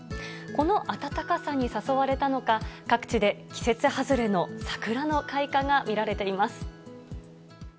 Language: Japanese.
この暖かさに誘われたのか、各地で季節外れの桜の開花が見られています。